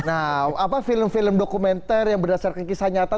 nah apa film film dokumenter yang berdasarkan kisah nyata